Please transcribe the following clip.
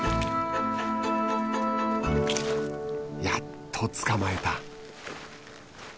やっと捕まえた。